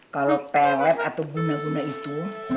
kalau pelet atau guna guna itu